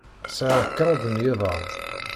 Sɛiɣ kraḍ n yiḍan.